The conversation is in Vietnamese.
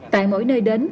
tại mỗi nơi đến